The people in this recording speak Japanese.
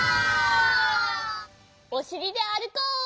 おしりであるこう！